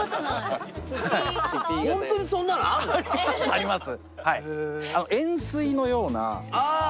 あります。